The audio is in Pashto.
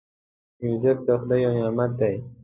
موزیک د خدای یو نعمت دی.